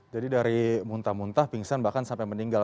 jadi dari muntah muntah pingsan bahkan sampai meninggal